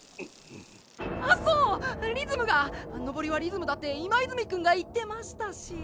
あそうリズムが登りはリズムだって今泉くんが言ってましたし。